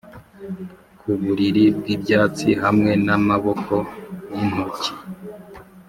ku buriri bw'ibyatsi hamwe n'amaboko y'intoki